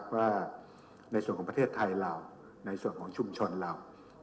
ว่าในส่วนของประเทศไทยเราในส่วนของชุมชนเรา